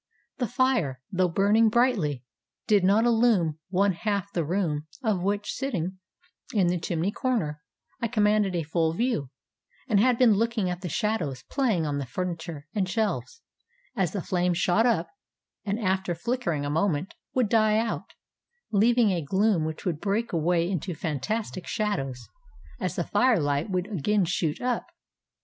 The fire, though burning brightly, did not illume one half the room of which, sitting in the chimney corner, I commanded a full view, and had been looking at the shadows playing on the furniture and shelves, as the flame shot up, and after flickering a moment, would die out, leaving a gloom which would break away into fantastic shadows as the firelight would again shoot up.